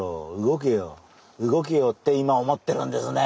動けよ。動けよ」。って今思ってるんですね